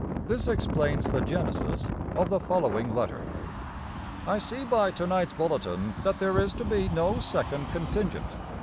This explains the genesis of the following letter: I see by to night's bulletin that there is to be no second contingent.